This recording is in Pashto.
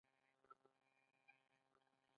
غونډۍ ته يې وکتل.